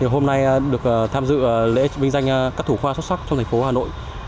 hôm nay được tham dự lễ vinh danh các thủ khoa xuất sắc trong tp hà nội